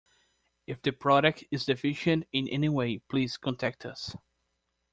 If the product is deficient in any way, please contact us.